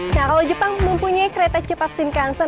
nah kalau jepang mempunyai kereta cepat simkansen